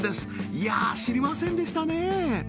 いやあ知りませんでしたね